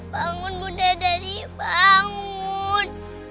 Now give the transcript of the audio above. bangun bunda dari bangun